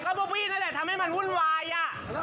ก็โบวี่นั่นแหละทำให้มันวุ่นวายอ่ะ